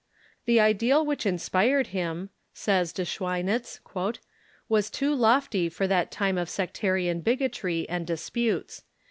" The ideal which inspired him," says De Schweinitz, "was too lofty for that time of sectarian bigotry^ and disputes.